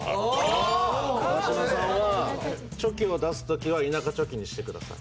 川島さんはチョキを出すときは田舎チョキにしてください。